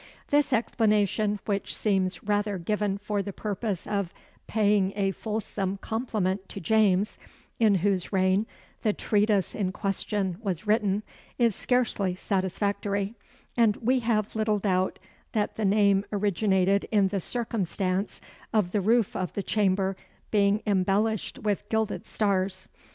This explanation, which seems rather given for the purpose of paying a fulsome compliment to James, in whose reign the treatise in question was written, is scarcely satisfactory; and we have little doubt that the name originated in the circumstance of the roof of the chamber being embellished with gilded stars.